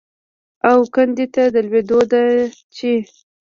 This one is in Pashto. او کندې ته د لوېدو ده چې